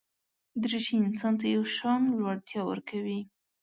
دریشي انسان ته یو شان لوړتیا ورکوي.